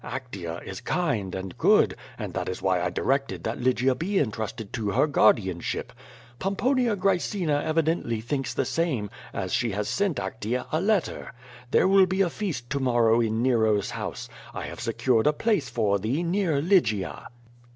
Actea is kind and good, and that is why I directed that Lygia be en trusted to her guardianship. Pomponia Graecina evidently thinks the same, as she has sent Actea a letter. There will be a feast to morrow in Nero^s house. I have secured a place for thee near Lygia."